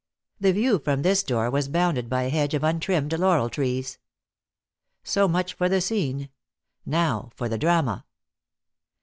The view from this door was bounded by a hedge of untrimmed laurel trees. So much for the scene. Now for the drama.